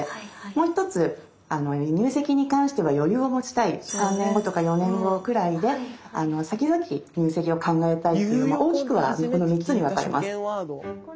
もう一つ入籍に関しては余裕を持ちたい３年後とか４年後くらいでさきざき入籍を考えたいっていう大きくはこの３つに分かれます。